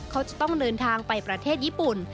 เขาจะต้องเดินทางไปประเทศญี่ปุ่น